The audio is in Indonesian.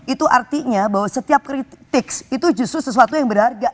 itu artinya bahwa setiap kritik itu justru sesuatu yang berharga